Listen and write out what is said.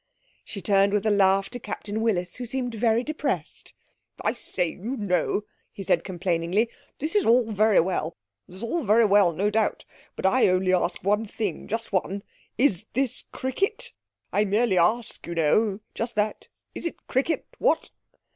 She turned with a laugh to Captain Willis, who seemed very depressed. 'I say, you know,' he said complainingly, 'this is all very well. It's all very well no doubt. But I only ask one thing just one. Is this cricket? I merely ask, you know. Just that is it cricket; what?'